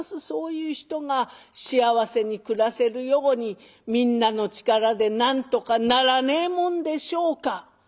そういう人が幸せに暮らせるようにみんなの力でなんとかならねえもんでしょうか？」。